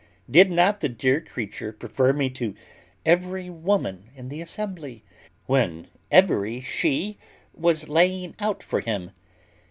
Did not the dear creature prefer me to every woman in the assembly, when every she was laying out for him?